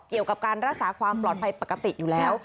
เกี่ยวกับการรักษาความปลอดภัยปกติอยู่แล้ว